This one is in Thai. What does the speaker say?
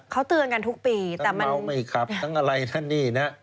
เขาเตือนกันทุกปีแต่มันเขาไม่ขับทั้งอะไรทั้งนี่นะ